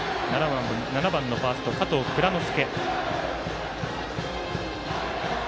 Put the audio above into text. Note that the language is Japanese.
７番のファースト、加藤蔵乃介。